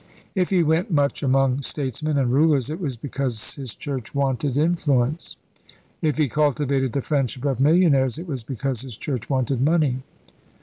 If he went much among statesmen and rulers it was because his Church wanted influence; if he cultivated the friendship of millionaires it was because his Church wanted money.